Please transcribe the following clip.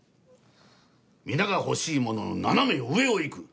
皆が欲しいものの斜め上をいく。